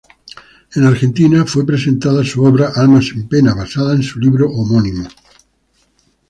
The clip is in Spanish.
En Argentina fue representada su obra "Almas en pena" basada en su libro homónimo.